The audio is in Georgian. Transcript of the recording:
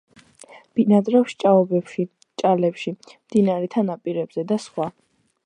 ბინადრობს ჭაობებში, ჭალებში, მდინარეთა ნაპირებზე და სხვა.